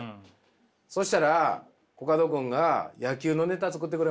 そしたらコカド君がいや。